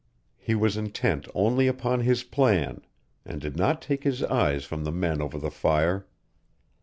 He was intent only upon his plan, and did not take his eyes from the men over the fire.